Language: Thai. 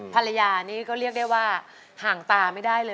ภรรยานี่ก็เรียกได้ว่าห่างตาไม่ได้เลย